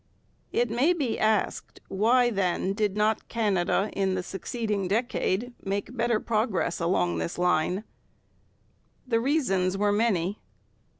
It may be asked, Why then did not Canada, in the succeeding decade, make better progress along this line? The reasons were many.